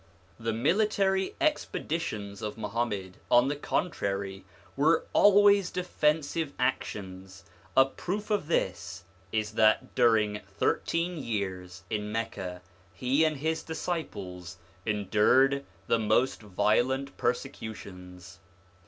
The military expeditions of Muhammad, on the contrary, were always defensive actions: a proof of this is that during thirteen years, in Mecca, he and his disciples endured the most violent persecutions.